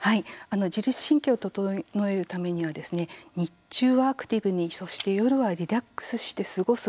自律神経を整えるためには日中はアクティブにそして夜はリラックスして過ごす